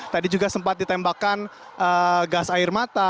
tadi juga sempat ditembakkan gas air mata